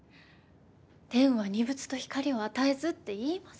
「天は二物と光を与えず」って言います